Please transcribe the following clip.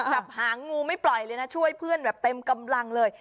จับหางงูไม่ปล่อยเลยนะช่วยเพื่อนแบบเต็มกำลังเลย